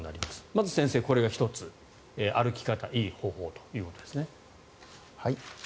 まず先生、これが１つ歩き方のいい方法ということですね。